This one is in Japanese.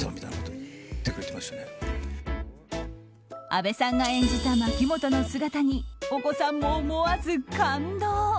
阿部さんが演じた牧本の姿にお子さんも思わず感動！